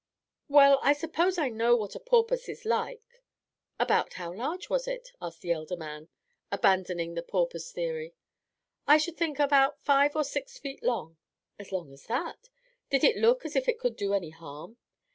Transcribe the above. "Well, I suppose I know what a porpoise is like." "About how large was it?" said the elder man, abandoning the porpoise theory. "I should think about five or six feet long." "As long as that? Did it look as if it could do any harm?"